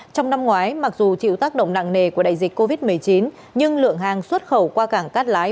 trong năm ngoái mặc dù chịu tác động nặng nề của đại dịch covid một mươi chín nhưng lượng hàng xuất khẩu qua cảng cát lái